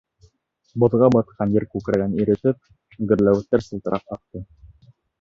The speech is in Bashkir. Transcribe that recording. Боҙға ҡатҡан ер күкрәген иретеп, гөрләүектәр сылтырап аҡты.